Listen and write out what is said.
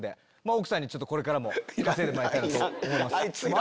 奥さんにこれからも稼いでもらいたいなと思います。